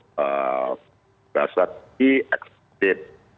berasal di ekspedit